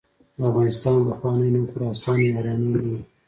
د افغانستان پخوانی نوم خراسان یا آریانا نه و.